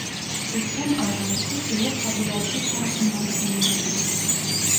Reklam ajansı veya tabelacı tarafından temin edilir.